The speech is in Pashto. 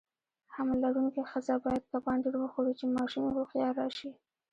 حمل لرونکي خزه باید کبان ډیر وخوري، چی ماشوم یی هوښیار راشي.